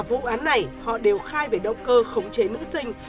vụ án này họ đều khai về động cơ khống chế nữ sinh